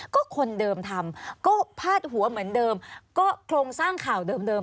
ก็คนเดิมทำก็พาดหัวเหมือนเดิมก็โครงสร้างข่าวเดิม